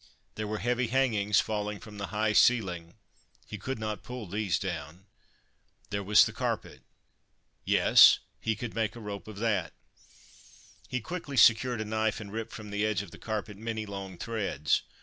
There were heavy hangings falling from the high ceiling : he could not pull these down. There was the carpet ; yes, he could make a rope of that. He quickly secured a knife, and ripped from the edge of the carpet many long threads.